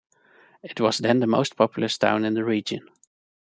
It was then the most populous town in the region.